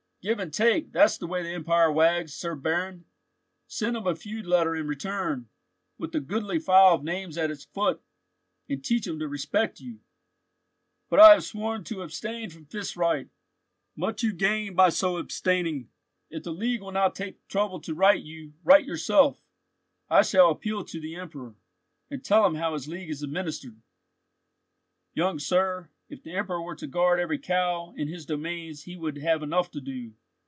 Give and take, that's the way the empire wags, Sir Baron. Send him a feud letter in return, with a goodly file of names at its foot, and teach him to respect you." "But I have sworn to abstain from fist right." "Much you gain by so abstaining. If the League will not take the trouble to right you, right yourself." "I shall appeal to the Emperor, and tell him how his League is administered." "Young sir, if the Emperor were to guard every cow in his domains he would have enough to do.